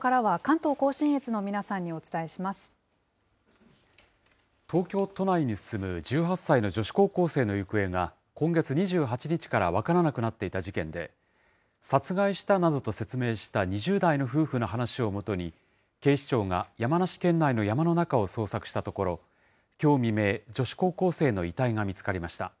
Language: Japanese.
東京都内に住む１８歳の女子高校生の行方が、今月２８日から分からなくなっていた事件で、殺害したなどと説明した２０代の夫婦の話をもとに、警視庁が山梨県内の山の中を捜索したところ、きょう未明、女子高校生の遺体が見つかりました。